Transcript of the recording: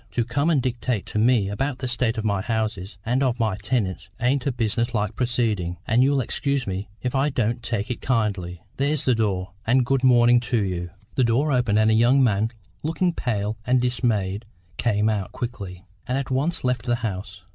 To come and dictate to me about the state of my houses and of my tenants ain't a business like proceeding, and you'll excuse me if I don't take it kindly. There's the door, and good morning to you!" The door opened, and a young man, looking pale and dismayed, came out quickly, and at once left the house.